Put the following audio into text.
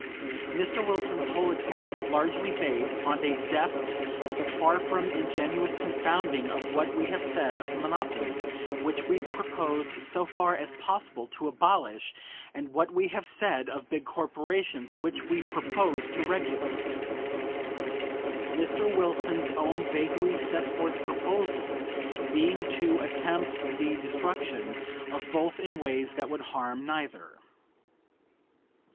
Mr. Wilson's whole attack is largely based on a deft but far from ingenuous confounding of what we have said of monopoly, which we propose so far as possible to abolish, and what we have said of big corporations, which we propose to regulate; Mr. Wilson's own vaguely set forth proposals being to attempt the destruction of both in ways that would harm neither.